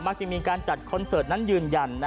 จะมีการจัดคอนเสิร์ตนั้นยืนยัน